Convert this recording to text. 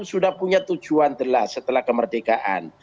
sudah punya tujuan jelas setelah kemerdekaan